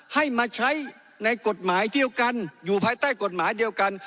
ให้มาใช้ในกฎหมายเที่ยวกันอยู่ภายใต้กฎหมายเดียวกัน